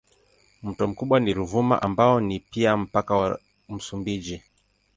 Mto mkubwa ni Ruvuma ambao ni pia mpaka wa Msumbiji.